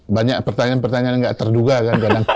banyak pertanyaan pertanyaan yang nggak terduga kan